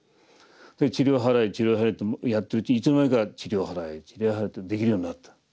「塵を払え塵を払え」ってやってるうちにいつの間にか「塵を払え塵を払え」ってできるようになった。